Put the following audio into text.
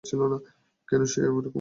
কেন সে এই রকম করে?